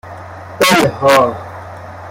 اِلها